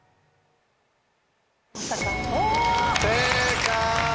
正解！